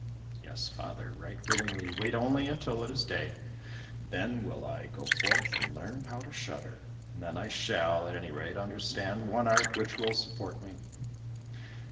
"Yes, father, right willingly, wait only until it is day. Then will I go forth and learn how to shudder, and then I shall, at any rate, understand one art which will support me."